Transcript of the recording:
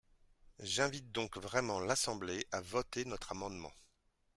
J’invite donc vraiment l’Assemblée à voter notre amendement.